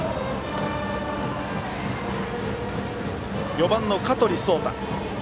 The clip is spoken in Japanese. ４番の香取蒼太。